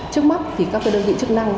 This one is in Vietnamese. trước mắt thì các đơn vị chức năng